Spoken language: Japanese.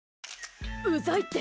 うざいって。